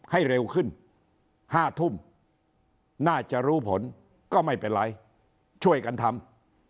ให้เร็วขึ้น๕ทุ่มน่าจะรู้ผลก็ไม่เป็นไรช่วยกันทำ